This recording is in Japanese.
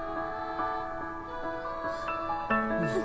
うん。